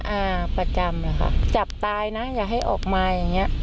อ่าประจำเลยค่ะจับตายนะอย่าให้ออกมาอย่างเงี้ย